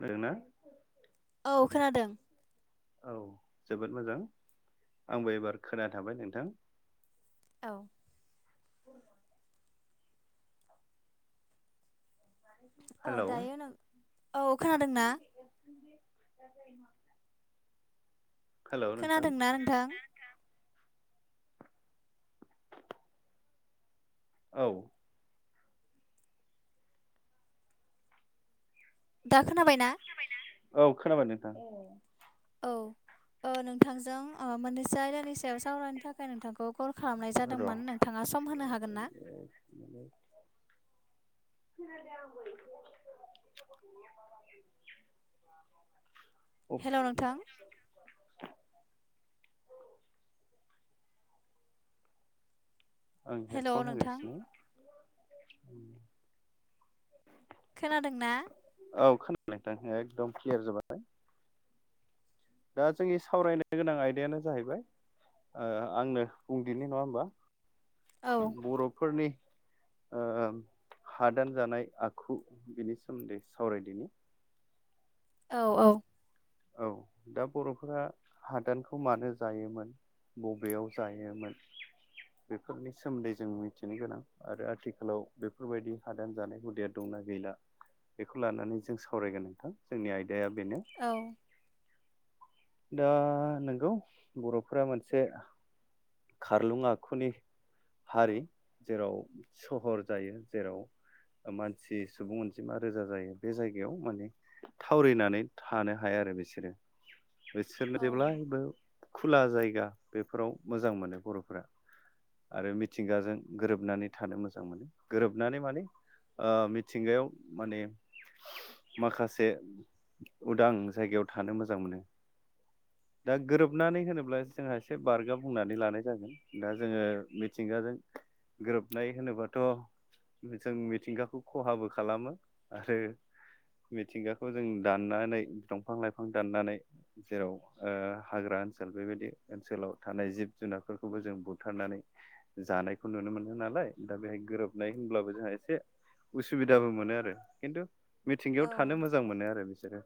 दों ना औ खोनादों औ जोबोद मोजां आंबो एबार खोनना थाबाय नोंथां औ औ हेलौ दायो नों औ खोनादोंना? हेलौ नोंथां खोनादोंना नोंथां? औ दा खोनाबायना? औ खोनाबाय नोंथां औ ओ नोंथांजों ओ मोनैसे आयदानि सायाव सावरायनो थाखाय खाय नोंथांखौ कल खालामनाय र' आं जादोंमोन नोंथाङा सम होनो हागोन ना? [inaudible] हेल' नोंथां आं हेल' हेडफन नोंथां होगासिनो खोनादों ना? औ खोनादों नोंथां एकदम क्लियार जाबाय दा जोंनि सावरायनो गोनां आयदायानो जाहैबाय ओ आंनो बुंदिनि नङा होमबा औ बर'फोरनि ओ हादान जानाय आखु बिनि सोमोन्दै सावरायदिनि औ औ औ दा बर'फोरा हादानखौ मानो जायोमोन बबेयाव जायोमोन बेफोरनि सोमोन्दै जों मिनथिनो गोनां आरो आथिखालाव बेफोरबायदि हादान जानाय हुदाया दंना गैला बेखौ लानानै जों सावरायगोन नोंथां जोंनि आयदाया बेनो औ दा नोंगौ बर'फोरा मोनसे खारलुं आखुनि हारि जेराव सहर जायो जेराव मानसि सुबुं अनजिमा रोजा जायो बे जायगायाव माने थावरिनानै थानो हाया आरो बिसोरो बेसोर औ जेब्लायबो खुला जायगा बेफोराव मोजां मोनो बर'फोरा आरो मिथिंगाजों गोरोबनानै थानो मोजां मोनो गोरोबनानै माने आ मिथिंगायाव माने माखासे उदां जायगायाव थानो मोजां मोनो दा गोरोबनानै होनोब्ला जोंहा एसे बारगा बुंनानै लानाय जागोन दा जोंङो मिथिंगाजों गोरोबनाय होनोबाथ' जों मिथिंगाखौ खहाबो खालामो आरो मिथिंगाखौ जों दाननानै दंफां लाइफां दाननानै जेराव हाग्रा ओनसोल बेबायदि ओनसोलाव थानाय जिब जुनारफोरखौबो जों बुथारनानै जानायखौ नुनो मोनो नालाय दा बेहाय गोरोबनाय होनब्लाबो जोंहा एसे असुबिदाबो मोनो आरो खिन्थु मिथिंगायाव औ थानो मोजां मोनो आरो बिसोरो।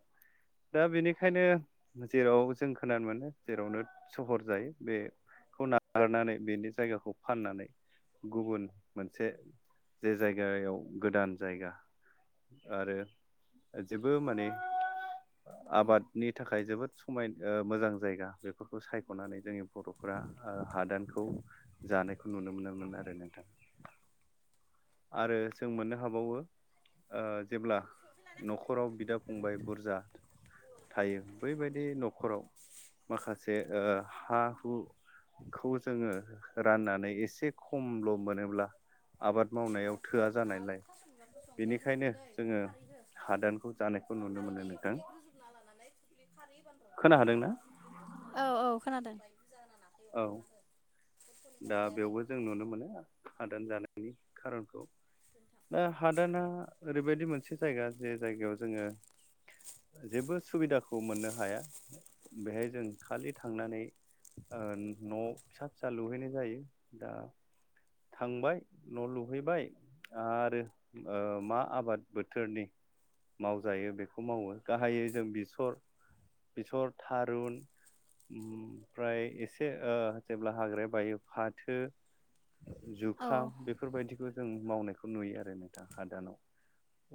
दा बेनिखायनो जेराव जों खोनानो मोनो जेरावनो सहर जायो बेखौ नागारनानै बेनि जायगाखौ फाननानै गुबुन मोनसे जे जायगायाव गोदान जायगा आरो जेबो माने आबादनि थाखाय जोबोद समाय मोजां जायगा बेफोरखौ सायख'नानै जोंनि बर'फ्रा ओ हादानखौ जानायखौ नुनो मोनोमोन आरो नोंथां। आरो जों मोननो हाबावो ओ जेब्ला न'खराव बिदा फंबाय बुरजा थायो बैबायदि न'खराव माखासे ओ हा बु खौ जोंङो राननानै एसे खमल' मोनोब्ला आबाद मावनायाव थोआ जानायलाय बेनिखायनो जोंङो हादानखौ जानायखौ नुनो मोनो नोंथां। लानानै दुब्लि खारैयो होबानो खोनादों ना? औ-औ खोनादों औ दा बेवबो जों नुनो मोनो हादान जानायनि खारनखौ। दा हादाना ओरैबायदि मोनसे जायगा जे जायगायाव जोंङो जेबो सुबिदाखौ मोननो हाया बेहाय जों खालि थांनानै ओ न' फिसा फिसा लुहैनाय जायो दा थांबाय न' लुहैबाय आरो ओ मा आबाद बोथोरनि मावजायो बेखौ मावो गाहायै जों बेसर बेसर थारुन ओमफ्राय एसे ओ जेब्ला हाग्राया बायो फाथो औ जुखाम बेफोरबायदिखौ जों मावनायखौ नुयो आरो नोंथां हादानाव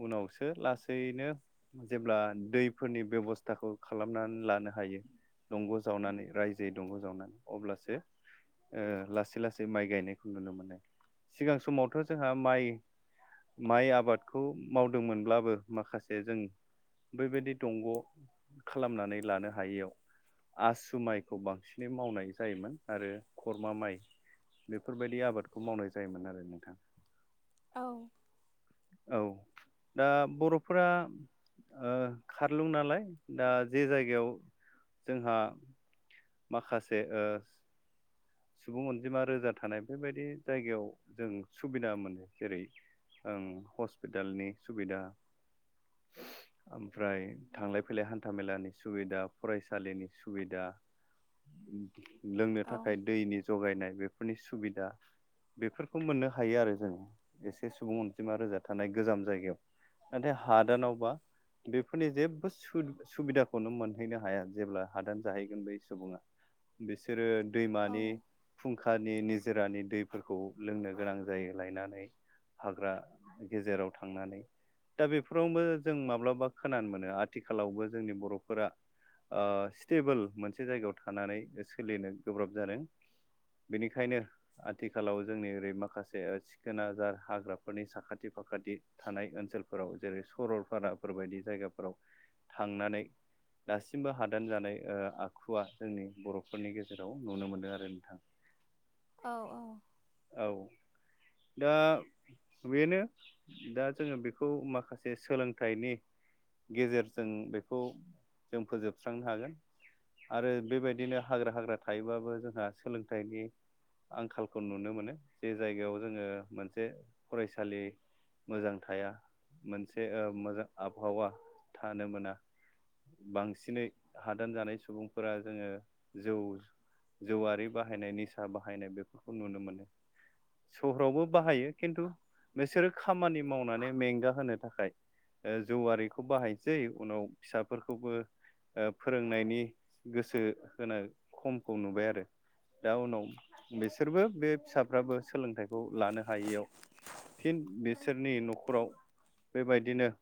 उनावसो लासैनो जेब्ला दैफोरनि बेब'स्थाखौ खालामनानै लानो हायो दंग' जावनानै रायजोयै दंग' जावनानै अब्लासो ओ लासै लासै माइ गायनाय नुनो मोनो सिगां समावथ' जोंहा माइ माइ आबादखौ मावदोंमोनब्लाबो माखासे जों बै बायदि दंग' खालामनानै लानो हायियाव आसु माइखौ बांसिनै मावनाय जायोमोन आरो खरमा माइ बेफोरबायदि आबादखौ मावनाय जायोमोन आरो नोंथां। औ औ दा बर'फोरा ओ खारलुं नालाय दा जे जायगायाव जोंहा माखासे ओ सुबुं अनजिमा रोजा थानाय बेबायदि जायगायाव जों सुबिदा मोनो जेरै ओं हस्पिटालनि सुबिदा [inaudible] ओमफ्राय थांलाय फैलाय हान्था मेलानि सुबिदा फरायसालिनि सुबिदा लोंनो औ थाखाय दैनि जगायनाय बेफोरनि सुबिदा बेफोरखौ मोननो हायो आरो जों एसे सुबुं अनजिमा रोजा थानाय गोजाम जायगायाव। नाथाय हादानावबा बेफोरनि जेबो सु सुबिदाखौनो मोनहैनो हाया जेब्ला हादान जाहैगोन बे सुबुङा बिसोरो औ दैमानि फुंखानि निजोरानि दैफोरखौ लोंनो गोनां जायो लायनानै हाग्रा गेजेराव थांनानै दा बेफोरावबो जों माब्लाबा खोनानो मोनो आथिखालावबो जोंनि बर'फोरा स्टेबोल मोनसे जायगायाव थानानै सोलिनो गोब्राब जादों। बेनिखायनो आथिखालाव जोंनि ओरै माखासे सिखोन आजार हाग्राफोरनि साखाथि फाखाथि थानाय ओनसोलफोराव जेरै सरलपाराफोरबायायदि जायगाफोराव थांनानै दासिमबो हादान जानाय ओ दुखुवा जोंनि बर'फोरनि गेजेराव नुनो मोनदों आरो नोंथां। औ औ। औ दा बेनो दा जोङो बेखौ माखासे सोलोंथाइनि गेजेरजों बेखौ जों फोजोबस्रांनो हागोन। आरो बेबायदिनो हाग्रा हाग्रा थायोबाबो जोंहा सोलोंथाइनि आंखालखौ नुनो मोनो जे जायगायाव जोङो मोनसे फरायसालि मोजां थाया मोनसे मोजां आबहावा थानो मोना। बांसिनै हादान जानाय सुबुंफोरा जोङो जौ जौवारि बाहायनाय निसा बाहायनाय बेफोरखौ नुनो मोनो। सहरावबो बाहायो खिन्थु नोंसोरो खामानि मावनानै मेंगा होनो थाखाय जौआरिखौ बाहायसै उनाव फिसाफोरखौबो फोरोंनायनि गोसो होनाय खमखौ नुबाय आरो। दा उनाव बिसोरबो बे फिसाफ्राबो सोलोंथाइखौ लानो हायियाव फिन बिसोरनि न'खराव बेबायदिनो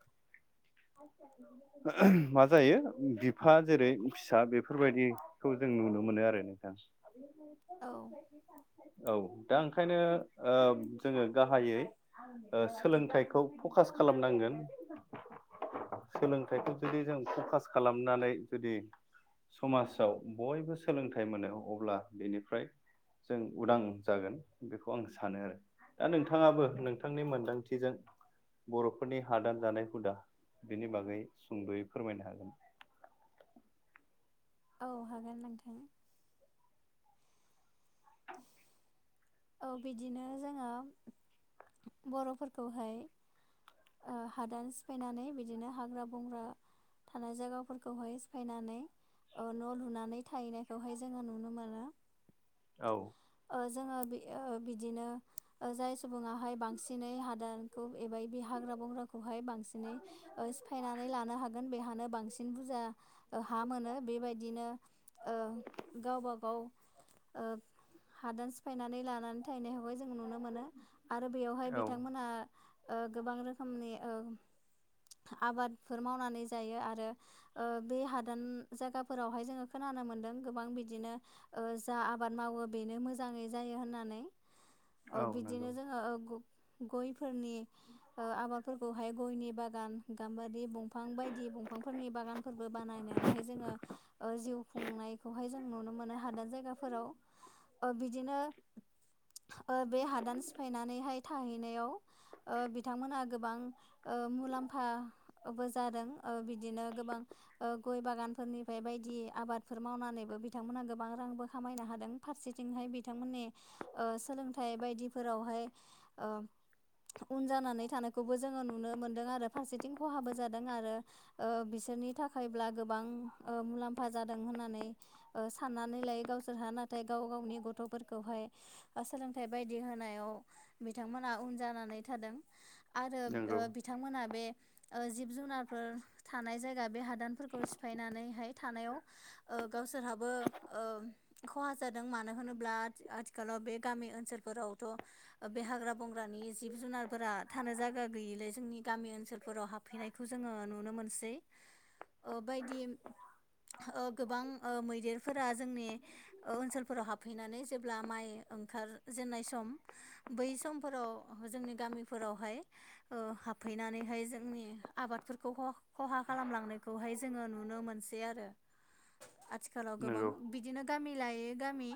[inaudible] मा जायो बिफा जेरै फिसा बे बेफोरबायदिखौ जों नुनो मोनो आरो नोंथां। औ औ दा ओंखायनो जोङो गाहायै ओ सोलोंथाइखौ फकास खालामनांगोन सोलोंथाइखौ जुदि जों फकास खालामनानै जुदि समाजाव बयबो सोलोंथाइ मोनो अब्ला बेनिफ्राय‌ जों उदां जागोन बेखौ आं सानो आरो। दा नोंथाङाबो नोंथांनि मोन्दांथिजों बर'फोरनि हादान जानाय हुदा बिनि बागै सुंद'यै फोरमायनो हागोन। औ हागोन नोंथां। औ बिदिनो जोङो बर'फोरखौहाय हादान सिफायनानै बिदिनो हाग्रा बंग्रा थानाय जायगाफोरखौहाय सिफायनानै ओ न' लुनानै थाहैनायखौहाय जोङो नुनो मोनो। औ ओ जोङो बिदिनो जाय सुबुङाहाय बांसिनै हादानखौ एबायदि बे हाग्रा बंग्राखौहाय बांसिनै सिफायनानै लानो हागोन बेहानो बांसिन बुरजा हा मोनो बेबायदिनो ओ गावबा गाव ओ हादान सिफायनानै लानानै थाहैनायखौहाय जों नुनो मोनो आरो बेयावहाय औ बिथांमोनहा गोबां रोखोमनि आबादफोर मावनानै जायो आरो। बे हादान जायगाफोरावहाय जोङो खोनानो मोन्दों गोबां बिदिनो जा आबाद मावो बेनो मोजाङै जायो होननानै। औ नंगौ बिदिनो जोङो गयफोरनि ओ आबादफोरखौहाय गयनि बागान गाम्बारि दंफां बायदि दंफांफोरनि बागानफोरबो बानायनानैहाय जोङो ओ जिउ खुंनायखौहाय जों नुनो मोनो हादान जायगाफोराव ओ बिदिनो ओ बे हादान सिफायनानैहाय थाहैनायाव ओ बिथांमोनहा गोबां ओ मुलाम्फाबो जादों ओ बिदिनो गोबां ओ गय बागानफोरनिफ्राय बायदि आबादफोर मावनानैबो बिथांमोनहा गोबां रांबो खामायनो हादों। फारसेथिंहाय बिथांमोननि ओ सोलोंथाइ बायदिफोरावहाय ओ उन जानानै थानायखौबो जोङो नुनो मोनदों आरो फारसेथिं खहाबो जादों आरो ओ बिसोरनि थाखायब्ला गोबां ओ मुलाम्फा जादों होननानै ओ साननानै लायो गावसोरहा नाथाय गाव गावनि गथ'फोरखौहाय ओ सोलोंथाइ बायदि होनायाव बिथांमोनहा उन जानानै थादों आरो ओ नंगौ बिथांमोना बे ओ जिब-जुनारफोर थानाय जायगा बे हादानफोरखौ सिफायनानैहाय थानायाव ओ गावसोरहाबो औ खहा जादों मानो होनोब्ला आ-आथिखालाव बे गामि ओनसोलफोरावथ' ओ बे हाग्रा बंग्रानि जि जिब-जुनारफोरा थानो जायगा गैयिलाय जोंनि गामि ओनसोलफोराव हाबफैनायखौ जोङो नुनो मोनसै ओ बायदि ओ गोबां मैदेरफोरा जोंनि ओ ओनसोलफोराव हाबहैनानै जेब्ला माइ ओंखार जेननाय सम बै समफोराव जोंनि गामिफोरावहाय ओ हाबफैनानै हाय जोंनि आबादफोरखौ खहा खहा खालामलांनायखौहाय जोङो नुनो मोनसै आरो आथिखालाव गोबां नंगौ बिदिनो गामि लायो गामि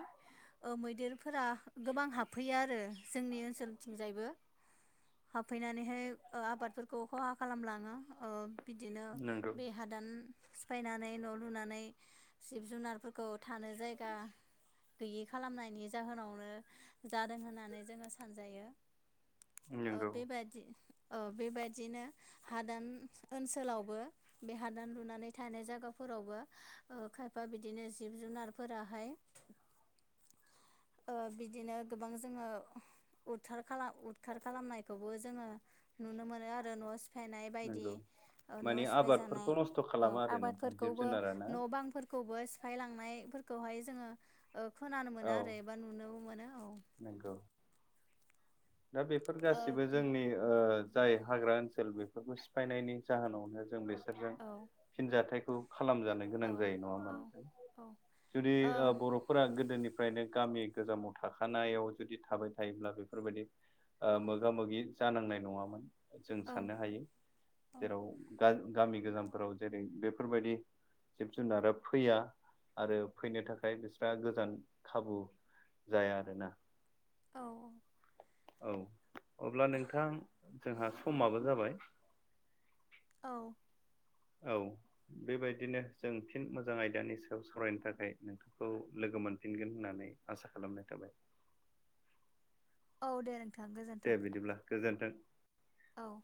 ओ मैदेरफोरा गोबां हाबफैयो आरो जोंनि ओनसोलथिं जायबो हाबफैनानैहाय ओ आबादफोरखौ खहा खालामलाङो ओ बिदिनो नंगौ बे हादान सिफायनानै न' लुनानै जिब-जुनारफोरखौ थानो जायगा गैयि खालामनायनि जाहोनावनो जादों होननानै जोङो सानजायो। ओ नंगौ बे बायदि ओ बे बायददिनो हादान ओनसोलावबो बे हादान लुनानै थानाय जायगाफोरावबो ओ खायफा बिदिनो जिब-जुनारफोराहाय ओ बिदिनो गोबां जोङो बुथार खालाम उदखार खालामनायखौबो जोङो नुनो मोनो आरो न' सिफायनाय बायदि नंगौ ओ माने न' सिफाय जानाय आबादफोरखौ नस्थ' औ खालामा आरो नोंथां जिब आबादफोरखौबो जुनारा ना न' बांफो खौबो सिफाय लांनायफोरखौहाय जोङो ओ खोनानो मोनो आरो एबा नुनोबो मोनो औ नोंगौ दा बेफोर गासिबो जोंनि ओ जाय ओ हाग्रा ओनसोल बे बे सिफायनायनि जाहोनावनो जों बेसोरजों औ फिनजथायाइखौ खालामजानाय औ गोनां जायो नङा औ होमबा औ जुदि बर' फोरा गोदोनिफ्रायनो गामि गोजामाव थाखानायाव जुदि थाबाय थायोब्ला बेफोरबायदि ओ मोगा-मोगि जानांनाय नङामोन जों ओ औ साननो हायो। जेराव गा-गामि गोजामफोराव जेरै बेफोर बायदि जिब-जुनारा फैया आरो फैनो थाखाय बिस्रा गोजान खाबु जाया आरोना औ औ औ अब्ला नोंथां जोंहा समाबो जाबाय औ औ बेबायदिनो जों फिन मोजां आयदानि सायाव सावरायनो थाखाय नोंथांखौ लोगो मोनफिनगोन होननानै आसा खालामनाय थाबाय। औ दे नोंथां दे गोजोन्थों बिदिब्ला गोजोन्थों औ